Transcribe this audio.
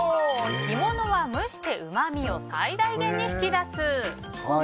干物は蒸してうまみを最大限に引き出す！